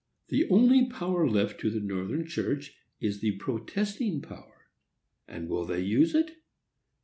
The only power left to the Northern church is the protesting power; and will they use it?